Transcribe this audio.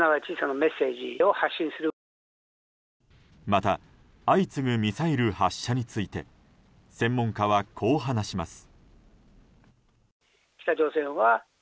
また相次ぐミサイル発射について専門家はこう話します。